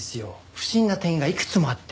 不審な点がいくつもあって。